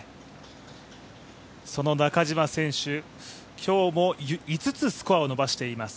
その中島選手、今日も５つスコアを伸ばしています。